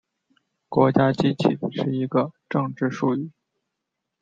国家机器是一个政治术语。